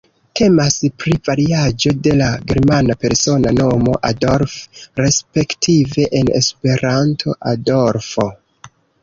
Temas pri variaĵo de la germana persona nomo Adolf respektive en Esperanto Adolfo.